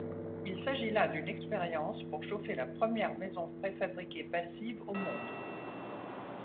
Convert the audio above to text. Il s'agit là d'une expérience pour chauffer la première maison préfabriquée passive au monde.